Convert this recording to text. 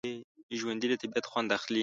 ژوندي له طبعیت خوند اخلي